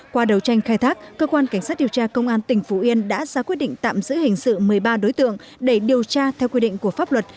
qua đấu tranh khai thác cơ quan cảnh sát điều tra công an tỉnh phú yên đã ra quyết định tạm giữ hình sự một mươi ba đối tượng để điều tra theo quy định của pháp luật